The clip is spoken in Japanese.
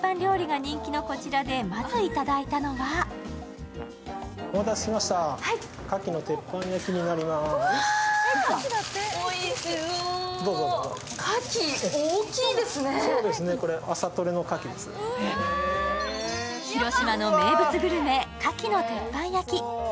さまざまな鉄板料理が人気のこちらでまずいただいたのは広島の名物グルメかきの鉄板焼き。